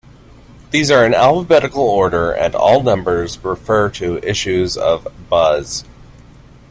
These are in alphabetical order and all numbers refer to issues of "Buzz".